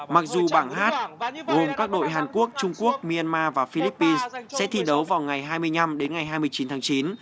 mặc dù bảng hát gồm các đội hàn quốc trung quốc myanmar và philippines sẽ thi đấu vào ngày hai mươi năm đến ngày hai mươi chín tháng chín